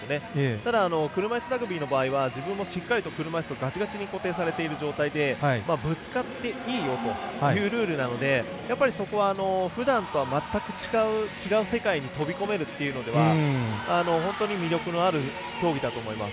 ただ、車いすラグビーの場合は自分もしっかりと車いすにがちがちに固定されている状況でぶつかっていいよというルールなのでそこは、ふだんとは全く違う世界に飛び込めるっていうのでは本当に魅力のある競技だと思います。